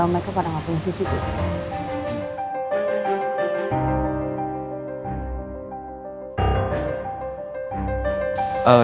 mereka pada ngapain disitu